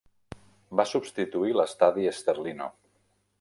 Va substituir l'Estadi Sterlino.